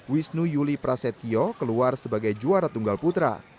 wisnu yuli prasetyo keluar sebagai juara tunggal putra